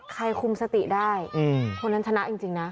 คุมสติได้คนนั้นชนะจริงนะ